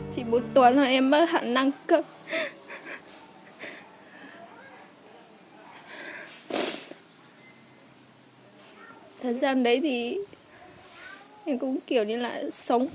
trong đó có lẽ bao trùm hơn tất cả chính là sự cô đồng